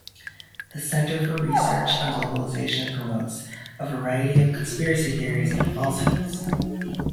The Centre for Research on Globalization promotes a variety of conspiracy theories and falsehoods.